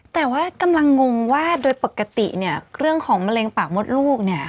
แต่ว่ากำลังงงว่าโดยปกติเนี่ยเรื่องของมะเร็งปากมดลูกเนี่ย